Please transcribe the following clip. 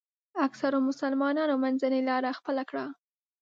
اکثرو مسلمانانو منځنۍ لاره خپله کړه.